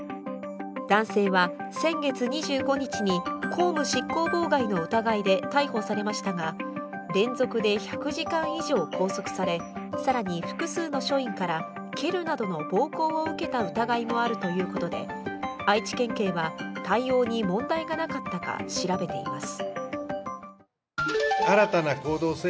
男性は先月２５日に公務執行妨害の疑いで逮捕されましたが連続で１００時間以上拘束され更に複数の署員から蹴るなどの暴行を受けた疑いもあるということで愛知県警は、対応に問題がなかったか調べています。